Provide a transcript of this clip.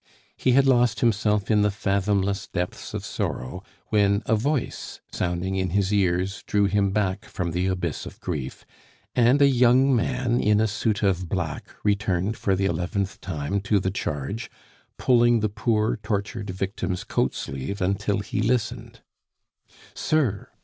He had lost himself in the fathomless depths of sorrow, when a voice sounding in his ears drew him back from the abyss of grief, and a young man in a suit of black returned for the eleventh time to the charge, pulling the poor, tortured victim's coatsleeve until he listened. "Sir!"